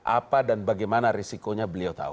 apa dan bagaimana risikonya beliau tahu